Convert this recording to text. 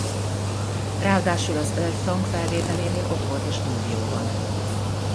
Ráadásul az Earth Song felvételénél ott volt a stúdióban.